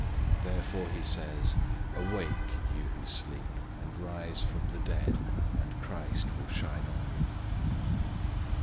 005:014 Therefore he says, "Awake, you who sleep, and arise from the dead, and Christ will shine on you."